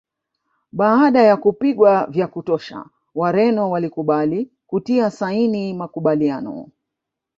Baada ya kupigwa vya kutosha Wareno walikubali kutia saini makubaliano